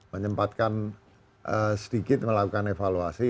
menyempatkan sedikit melakukan evaluasi